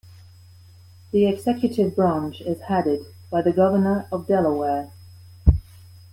The executive branch is headed by the Governor of Delaware.